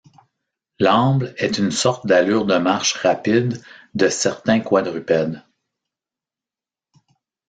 L'amble est une sorte d'allure de marche rapide de certains quadrupèdes.